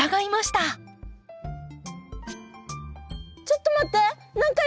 ちょっと待って。